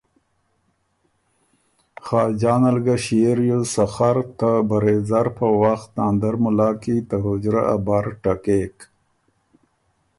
خاجان ال ګۀ ݭيې ریوز سخر ته برېځر په وخت ناندر مُلا کی ته حجرۀ ا بر ټکېک۔